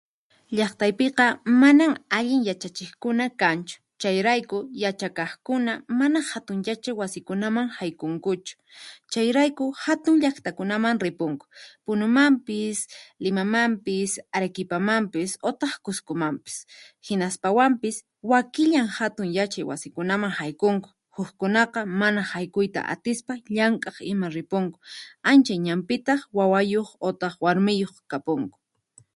Llaqtaypiqa manan allin yachachiqkuna kanchu chayrayku yachaqaqkuna mana hatun yachay wasikunaman haykunkuchu, chayrayku hatun llaqtakunaman ripunku Punumanpis Limamampis Arequipamampis utaq Qusqumanpis. Hinaspawampis wakillan hatun yachay wasikunaman haykunku, huqkunaqa mana haykuyta atispa llamk'aq ima ripunku anchay ñampitaq, wawayuq utaq warmiyuq kapunku.